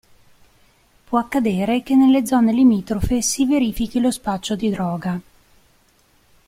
Può accadere che nelle zone limitrofe si verifichi lo spaccio di droga.